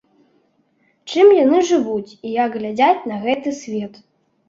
Чым яны жывуць і як глядзяць на гэты свет?